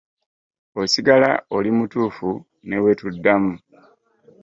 Osigala oli mutuufu ne bwe tuddamu.